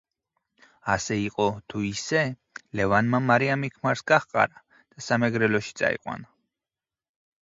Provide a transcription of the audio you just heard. ასე იყო თუ ისე, ლევანმა მარიამი ქმარს გაჰყარა და სამეგრელოში წაიყვანა.